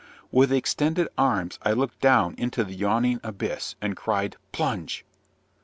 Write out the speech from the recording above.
With extended arms I looked down into the yawning abyss, and cried, "Plunge!'"